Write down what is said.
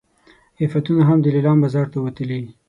عفتونه هم د لیلام بازار ته وتلي.